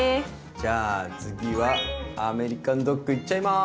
じゃあ次はアメリカンドッグいっちゃいます！